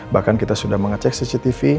bahkan kita sudah mengecek cctv